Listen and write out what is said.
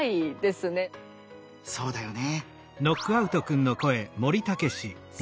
そうだよね。